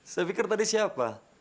saya pikir tadi siapa